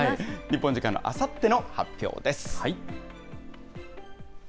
日本時間のあさっての発表です。